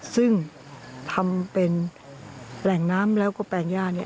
ซึ่งทำเป็นแหล่งน้ำแล้วก็แปลงย่า